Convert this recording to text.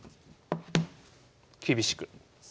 厳しく。